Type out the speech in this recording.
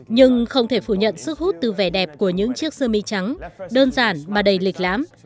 nhưng không thể phủ nhận sức hút từ vẻ đẹp của những chiếc sơ mi trắng đơn giản mà đầy lịch lãm